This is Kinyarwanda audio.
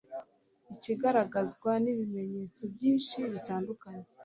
ikagaragazwa n'ibimenyetso byinshi bitandukanye